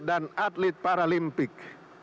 dan atlet paralimpik